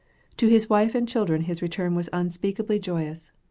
To his wife and children his return was unspeakably joyous.